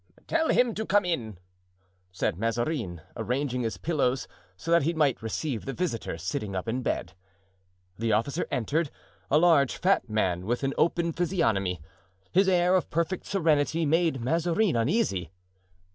"Tell him to come in," said Mazarin, arranging his pillows, so that he might receive the visitor sitting up in bed. The officer entered, a large fat man, with an open physiognomy. His air of perfect serenity made Mazarin uneasy.